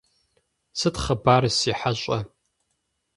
Сыт хъыбар, си хьэщӀэ?